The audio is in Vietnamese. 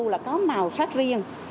là có màu sắc riêng